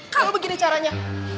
kalau begini caranya